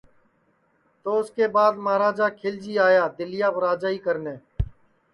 تو اُس کے بعد مہاراجا کھیلجی آیا دِلیاپ راجائی کرنے